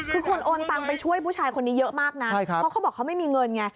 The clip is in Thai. คือคนโอนตังไปช่วยผู้ชายคนนี้เยอะมากนะเพราะเขาบอกเขาไม่มีเงินไง